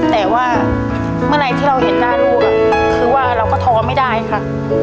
แต่ว่าเมื่อไหร่ที่เราเห็นหน้าลูกคือว่าเราก็ท้อไม่ได้ค่ะ